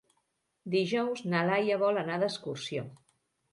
Dijous na Laia vol anar d'excursió.